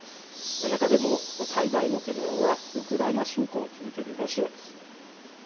中でも最大の懸念は、ウクライナ侵攻を続けるロシアです。